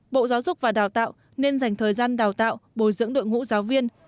bộ giáo dục và đào tạo nên dành thời gian đào tạo bồi dưỡng đội ngũ giáo viên